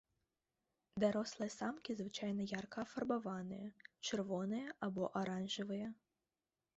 Дарослыя самкі звычайна ярка афарбаваныя, чырвоныя або аранжавыя.